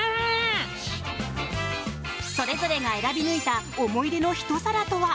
それぞれが選び抜いた思い出のひと皿とは？